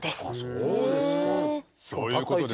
そうです。